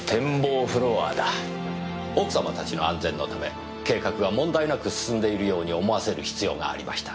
奥様たちの安全のため計画は問題なく進んでいるように思わせる必要がありました。